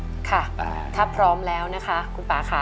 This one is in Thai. ค่ะถ้าพร้อมแล้วนะคะคุณป่าค่ะ